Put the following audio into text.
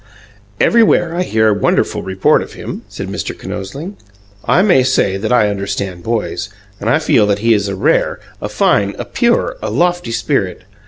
"Everywhere I hear wonderful report of him," said Mr. Kinosling. "I may say that I understand boys, and I feel that he is a rare, a fine, a pure, a lofty spirit.